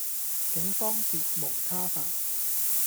警方別無他法